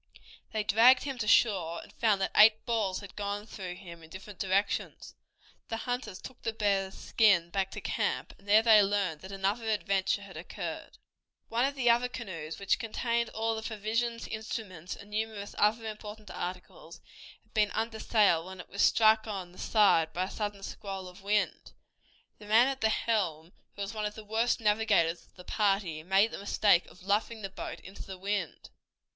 They dragged him to shore, and found that eight balls had gone through him in different directions. The hunters took the bear's skin back to camp, and there they learned that another adventure had occurred. One of the other canoes, which contained all the provisions, instruments, and numerous other important articles, had been under sail when it was struck on the side by a sudden squall of wind. The man at the helm, who was one of the worst navigators of the party, made the mistake of luffing the boat into the wind.